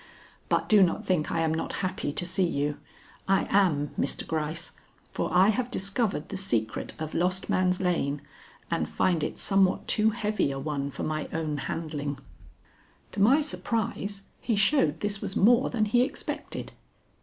But do not think I am not happy to see you. I am, Mr. Gryce, for I have discovered the secret of Lost Man's Lane, and find it somewhat too heavy a one for my own handling." To my surprise he showed this was more than he expected.